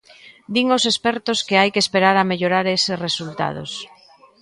Din os expertos que hai que esperar a mellorar eses resultados.